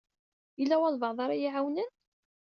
Yella walebɛaḍ ara yi-iɛawnen?